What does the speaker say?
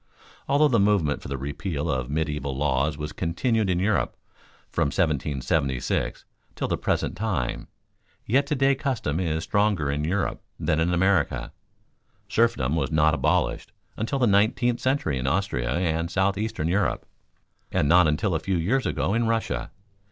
Although the movement for the repeal of medieval laws has continued in Europe from 1776 till the present time, yet to day custom is stronger in Europe than in America. Serfdom was not abolished until the nineteenth century in Austria and southeastern Europe, and not until a few years ago in Russia.